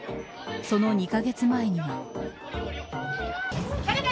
その２カ月前にも。